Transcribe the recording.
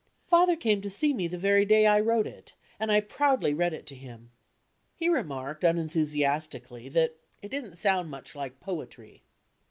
Father came to see me the very day I wrote it, and I proudly read it to him. He remarked unenthusiastically that "it didn't sound much like poetry."